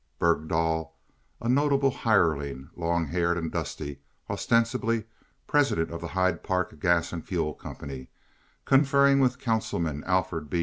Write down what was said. Bergdoll, a noble hireling, long haired and dusty, ostensibly president of the Hyde Park Gas and Fuel Company, conferring with Councilman Alfred B.